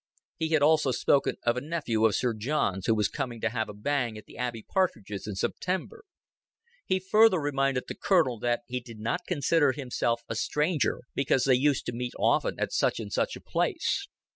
He had also spoken of a nephew of Sir John's, who was coming to have a bang at the Abbey partridges in September. He further reminded the Colonel that he did not consider himself a stranger, because they used to meet often at such and such a place.